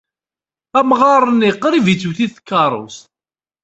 Amɣar-nni qrib i t-twit tkeṛṛust.